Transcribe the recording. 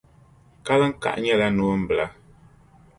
Kaliŋkaɣu nyɛla noon'bila.